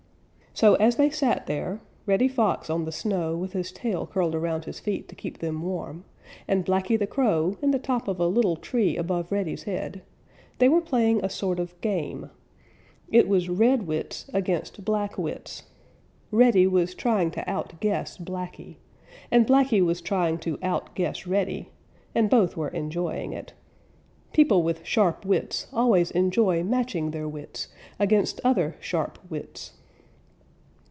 So as they sat there, Reddy Fox on the snow with his tail curled around his feet to keep them warm, and Blacky the Crow in the top of a little tree above Reddy's head, they were playing a sort of game. It was red wits against black wits. Reddy was trying to outguess Blacky, and Blacky was trying to outguess Reddy, and both were enjoying it. People with sharp wits always enjoy matching their wits against other sharp wits.